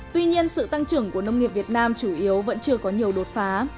tuy nhiên sự tăng trưởng của nông nghiệp việt nam chủ yếu vẫn chưa có nhiều đột phá